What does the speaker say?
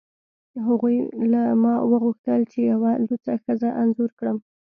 هغوی له ما وغوښتل چې یوه لوڅه ښځه انځور کړم